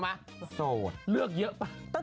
คุณไอส์คุณไอส์อพิษฎาหุ่นดีละเกิน